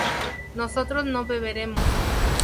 nosotros no beberemos